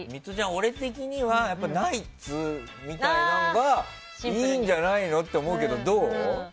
俺的にはナイツみたいなのがいいんじゃないのって思うけどどう？